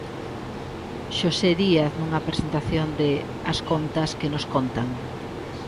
Xosé Díaz nunha presentación de "As Contas que nos contan".